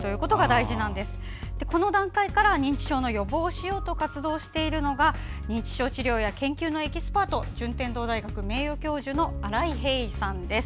この段階から認知症の予防をしようと活動しているのが認知症治療や認知症のエキスパート順天堂大学名誉教授の新井平伊さんです。